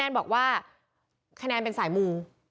คะแนนบอกว่าคะแนนเป็นสายมูง